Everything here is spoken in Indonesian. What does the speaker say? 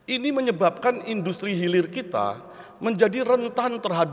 ini menyebabkan industri hilir kita menjadi rentan terhadap